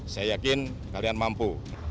saya yakin kalian mampu